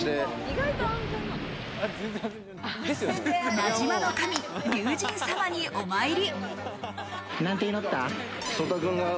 名島の神・龍神様にお参り。